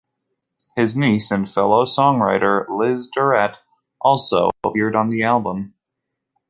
His niece, and fellow songwriter, Liz Durrett also appeared on the album.